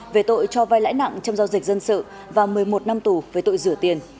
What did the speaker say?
về tội cho vai lãi nặng trong giao dịch dân sự và một mươi một năm tù về tội rửa tiền